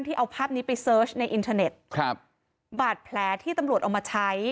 เอาภาพนี้ไปเสิร์ชในอินเทอร์เน็ตครับบาดแผลที่ตำรวจเอามาใช้